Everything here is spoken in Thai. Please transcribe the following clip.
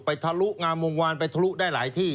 ทะลุงามวงวานไปทะลุได้หลายที่